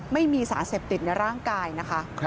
ไม่มีสารเสพติดในร่างกายนะคะ